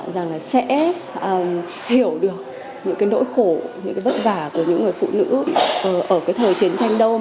rằng là sẽ hiểu được những cái nỗi khổ những cái vất vả của những người phụ nữ ở cái thời chiến tranh đâu